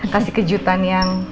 kasih kejutan yang